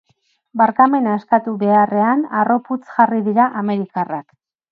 Barkamena eskatu beharrean, harroputz jarri dira amerikarrak.